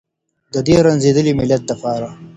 د دې رنځېدلي ملت لپاره.